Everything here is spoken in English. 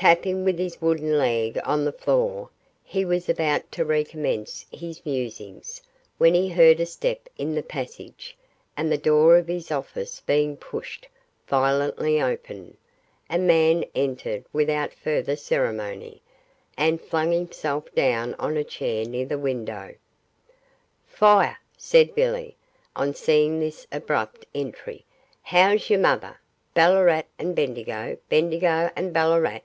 Tapping with his wooden leg on the floor, he was about to recommence his musings, when he heard a step in the passage, and the door of his office being pushed violently open, a man entered without further ceremony, and flung himself down on a chair near the window. 'Fire!' said Billy, on seeing this abrupt entry; 'how's your mother! Ballarat and Bendigo Bendigo and Ballarat.